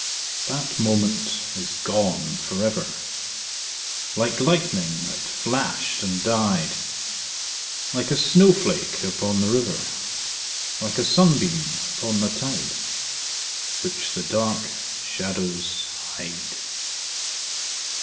_5 2. That moment is gone for ever, Like lightning that flashed and died Like a snowflake upon the river Like a sunbeam upon the tide, Which the dark shadows hide.